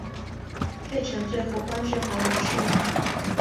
费承最后官至黄门侍郎。